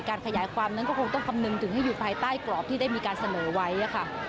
ขยายความนั้นก็คงต้องคำนึงถึงให้อยู่ภายใต้กรอบที่ได้มีการเสนอไว้ค่ะ